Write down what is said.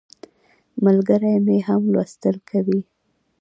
ملګری مې هم لوستل کوي.